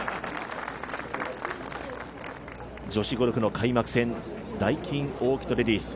女子ゴルフの開幕戦、ダイキンオーキッドレディス。